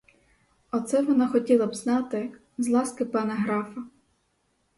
Оце вона хотіла б знати, з ласки пана графа.